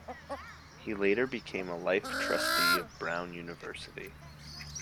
He later became a Life Trustee of Brown University.